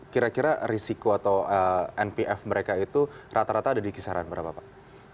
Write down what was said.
kira kira risiko atau npf mereka itu rata rata ada di kisaran berapa pak